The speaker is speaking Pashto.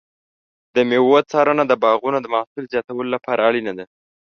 د مېوو څارنه د باغونو د محصول زیاتولو لپاره اړینه ده.